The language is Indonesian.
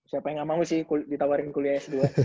siapa yang gak mau sih ditawarin kuliah s dua